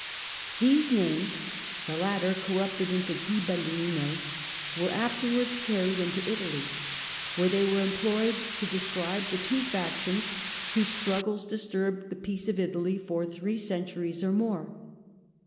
These names, the latter corrupted into " Ghibelline," were afterwards carried into Italy, where they were employed to describe the two factions whose struggles disturbed the peace of Italy for three centuries or more.